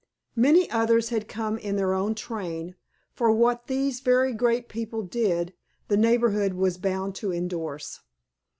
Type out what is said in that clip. Many others had come in their train, for what these very great people did the neighborhood was bound to endorse.